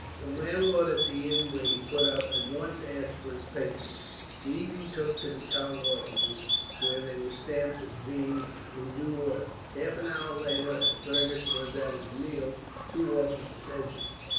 The landlord at the inn where he put up at once asked for his papers. These he took to the town offices, where they were stamped as being in due order. Half an hour later, as Fergus was at his meal, two officers entered.